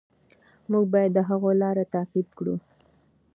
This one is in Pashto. موږ باید د هغوی لاره تعقیب کړو.